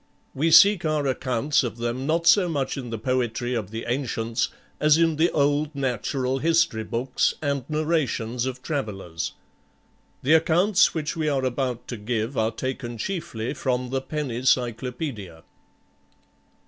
We seek our accounts of them not so much in the poetry of the ancients as in the old natural history books and narrations of travellers. The accounts which we are about to give are taken chiefly from the Penny Cyclopedia.